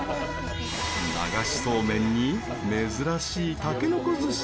流しそうめんに珍しい、たけのこ寿司。